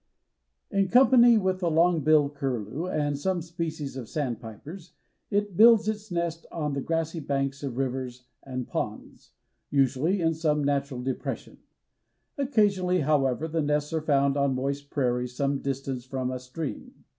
In company with the long billed curlew and some species of sandpipers it builds its nest on the grassy banks of rivers and ponds, usually in some natural depression. Occasionally, however, the nests are found on moist prairies some distance from a stream.